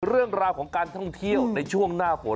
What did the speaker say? เรื่องราวของการท่องเที่ยวในช่วงหน้าฝน